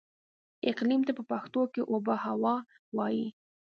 اقليم ته په پښتو کې اوبههوا وايي.